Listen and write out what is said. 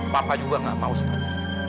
papa juga nggak mau seperti itu